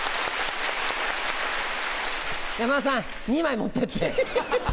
・山田さん２枚持ってって。